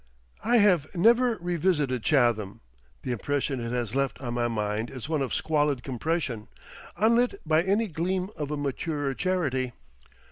I have never revisited Chatham; the impression it has left on my mind is one of squalid compression, unlit by any gleam of a maturer charity.